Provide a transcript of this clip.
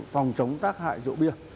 phòng chống tác hại rượu bia